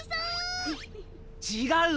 違う！